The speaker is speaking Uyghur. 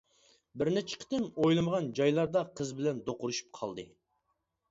بىرنەچچە قېتىم ئويلىمىغان جايلاردا قىز بىلەن دوقۇرۇشۇپ قالدى.